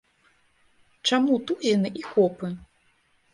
Чаму тузіны і копы?